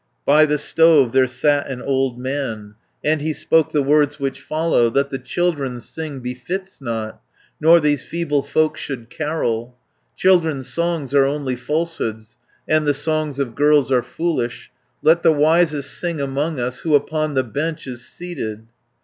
By the stove there sat an old man, And he spoke the words which follow: "That the children sing befits not, Nor these feeble folk should carol. 310 Children's songs are only falsehoods, And the songs of girls are foolish. Let the wisest sing among us, Who upon the bench is seated."